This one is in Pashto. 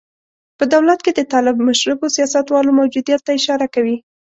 په دولت کې د طالب مشربو سیاستوالو موجودیت ته اشاره کوي.